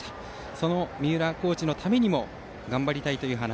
その三浦コーチのためにも頑張りたいという話。